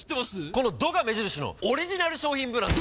この「ド」が目印のオリジナル商品ブランド。